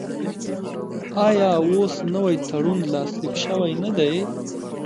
آیا اوس نوی تړون لاسلیک شوی نه دی؟